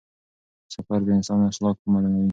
سفر د انسان اخلاق معلوموي.